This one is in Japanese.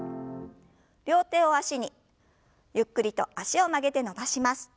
両手を脚にゆっくりと脚を曲げて伸ばします。